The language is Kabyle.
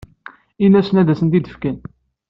Ini-asen ad asen-ten-id-fken.